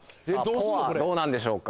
ポはどうなんでしょうか